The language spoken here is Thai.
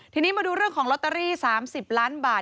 ทีนี้มาดูเรื่องของลอตเตอรี่๓๐ล้านบาท